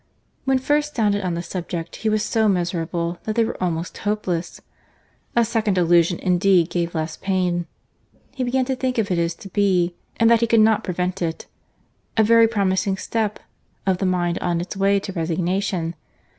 When first sounded on the subject, he was so miserable, that they were almost hopeless.—A second allusion, indeed, gave less pain.—He began to think it was to be, and that he could not prevent it—a very promising step of the mind on its way to resignation.